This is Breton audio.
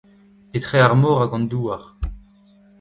Etre ar mor hag an douar.